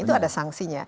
itu ada sangsinya